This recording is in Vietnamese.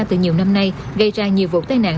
từ nhiều năm nay gây ra nhiều vụ tai nạn